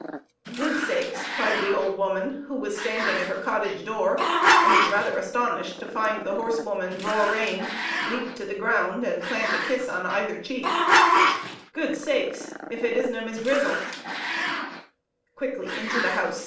"Gude sakes!" cried the old woman, who was standing at her cottage door and was rather astonished to find the horsewoman draw rein, leap to the ground, and plant a kiss on either cheek "Gude sakes! if it isna Miss Grizel!" "Quickly, into the house!"